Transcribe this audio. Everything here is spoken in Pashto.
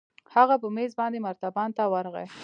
هغه په مېز باندې مرتبان ته ورغى.